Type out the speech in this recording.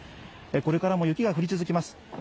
これからも雪が降り続きます。